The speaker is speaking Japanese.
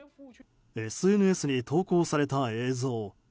ＳＮＳに投稿された映像。